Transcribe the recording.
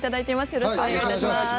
よろしくお願いします。